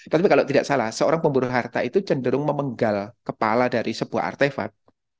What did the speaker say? tapi kalau tidak salah seorang pemburu harta itu cenderung memenggal kepala dari sebuah artefak